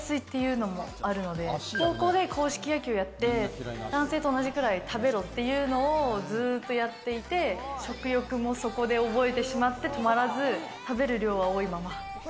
高校で硬式野球をやって男性と同じくらい食べろっていうのをずっとやっていて、食欲もそこで覚えてしまって止まらず、食べる量は多いまま。